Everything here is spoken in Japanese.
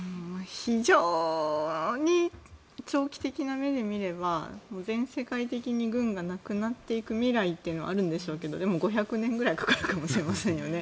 非常に長期的な目で見れば全世界的に軍がなくなっていく未来というのがあるんでしょうけどでも５００年ぐらいかかるかもしれませんよね。